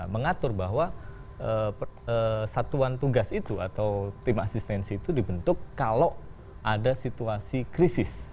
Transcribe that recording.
mengatur bahwa satuan tugas itu atau tim asistensi itu dibentuk kalau ada situasi krisis